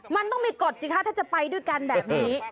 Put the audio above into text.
มันต้องมีกฎสิคะถ้าจะไปด้วยกันแบบนี้